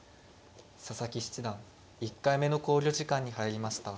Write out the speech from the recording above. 佐々木七段１回目の考慮時間に入りました。